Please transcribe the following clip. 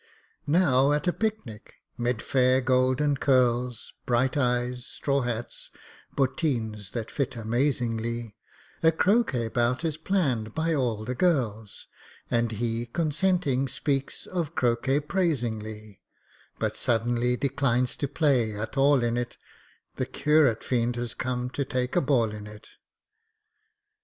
Now at a picnic, 'mid fair golden curls, Bright eyes, straw hats, bottines that fit amazingly, A croquêt bout is planned by all the girls; And he, consenting, speaks of croquêt praisingly; But suddenly declines to play at all in it— The curate fiend has come to take a ball in it!